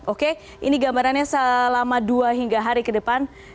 oke ini gambarannya selama dua hingga hari ke depan